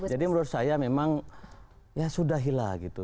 jadi menurut saya memang ya sudahilah gitu